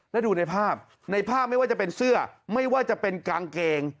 แล้วดูในภาพในภาพไม่ว่าจะเป็นเสื้อไม่ว่าจะเป็นกางเกง